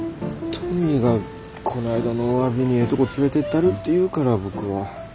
トミーがこないだのおわびにええとこ連れてったるって言うから僕は。